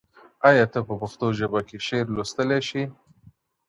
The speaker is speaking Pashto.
آیا ته په پښتو ژبه کي شعر لوستلی سې؟